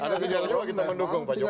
ada kejadian luar kita mendukung pak jokowi